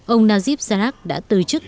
ông najib razak đã từ chức